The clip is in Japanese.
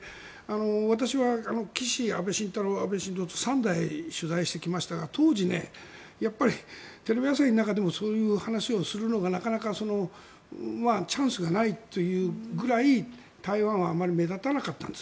私は岸、安倍晋太郎、安倍晋三と３代取材してきましたが当時、テレビ朝日の中でもそういう話をするのがなかなかチャンスがないというぐらい台湾はあまり目立たなかったんです。